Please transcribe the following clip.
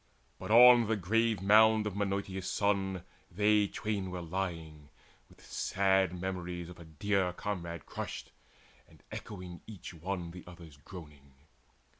But on the grave mound of Menoetius' son They twain were lying, with sad memories Of a dear comrade crushed, and echoing Each one the other's groaning.